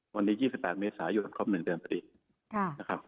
วันนี้๒๘เมษายนครบ๑เดือนไปดี